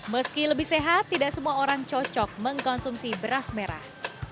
meski lebih sehat tidak semua orang cocok mengkonsumsi beras merah